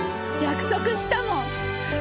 約束したもん。